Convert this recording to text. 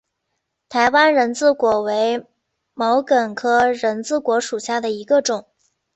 台湾人字果为毛茛科人字果属下的一个种。